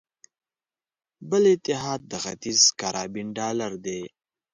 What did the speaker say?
بل اتحاد د ختیځ کارابین ډالر دی.